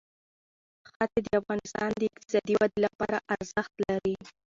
ښتې د افغانستان د اقتصادي ودې لپاره ارزښت لري.